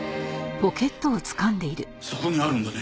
そこにあるんだね？